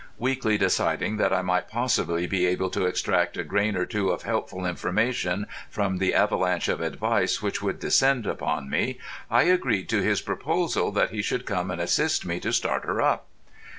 Weakly deciding that I might possibly be able to extract a grain or two of helpful information from the avalanche of advice which would descend upon me, I agreed to his proposal that he should come and assist me to "start her up."